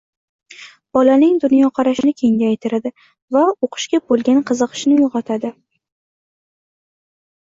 bolaning dunyoqarashini kengaytiradi va o‘qishga bo‘lgan qiziqishini uyg‘otadi.